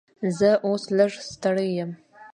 زه اوس لږ ستړی یم.